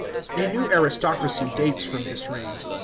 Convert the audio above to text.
A new aristocracy dates from this reign.